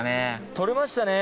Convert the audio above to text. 捕れましたね。